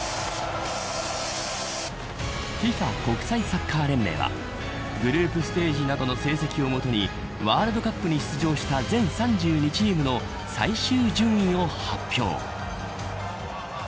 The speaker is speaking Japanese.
ＦＩＦＡ国際サッカー連盟はグループステージなどの成績を基にワールドカップに出場した全３２チームの最終順位を発表。